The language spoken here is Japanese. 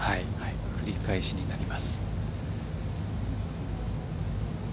繰り返しになります。